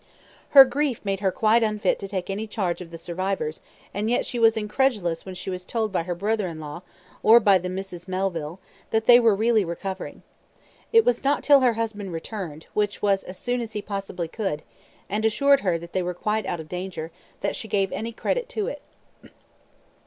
Her grief made her quite unfit to take any charge of the survivors, and yet she was incredulous when she was told by her brother in law, or by the Misses Melville, that they were really recovering. It was not till her husband returned, which was as soon as he possibly could, and assured her that they were quite out of danger, that she gave any credit to it.